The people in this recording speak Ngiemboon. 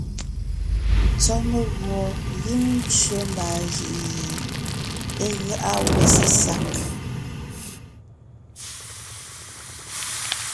Sɔ́ meguɔ gíŋ tsẅe mbaa jʉʼ gie é gáʼa wó sesag.